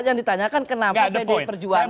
yang ditanyakan kenapa pdi perjuangan